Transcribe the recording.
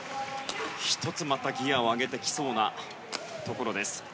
１つ、またギアを上げてきそうなところです。